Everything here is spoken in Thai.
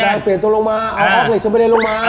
อเปลี่ยนตัวลงมาเอาเอาล็อกท์เขงชำมัดนี่ลงมา